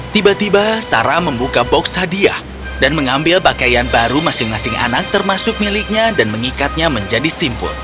tiba tiba sarah membuka box hadiah dan mengambil pakaian baru masing masing anak termasuk miliknya dan mengikatnya menjadi simpul